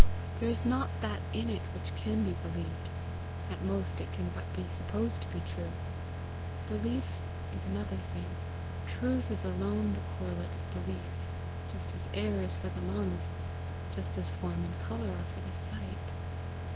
There is not that in it which can be believed; at most it can but be supposed to be true. Belief is another thing. Truth is alone the correlate of belief, just as air is for the lungs, just as form and colour are for the sight.